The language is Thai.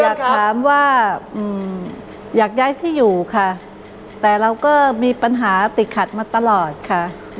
อยากถามว่าอยากย้ายที่อยู่ค่ะแต่เราก็มีปัญหาติดขัดมาตลอดค่ะ